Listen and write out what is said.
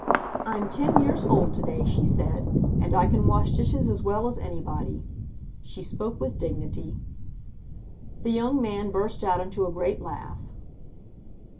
"I'm ten years old today," she said, "and I can wash dishes as well as anybody." She spoke with dignity. The young man burst out into a great laugh.